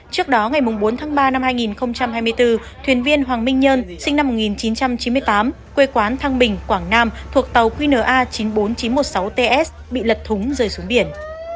trước đó ngày bốn tháng ba năm hai nghìn hai mươi bốn thuyền viên hoàng minh nhân sinh năm một nghìn chín trăm chín mươi tám quê quán thăng bình quảng nam thuộc tàu qna chín mươi bốn nghìn chín trăm một mươi sáu ts bị lật thúng rời xuống biển